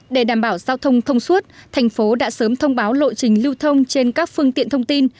để đảm bảo giao thông thông suốt thành phố đã sớm thông báo lộ trình lưu thông trên các phương tiện thông tin